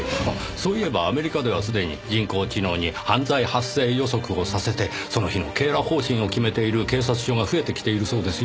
そういえばアメリカではすでに人工知能に犯罪発生予測をさせてその日の警ら方針を決めている警察署が増えてきているそうですよ。